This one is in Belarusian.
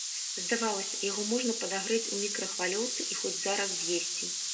Здавалася, яго можна падагрэць у мікрахвалёўцы і хоць зараз з'есці.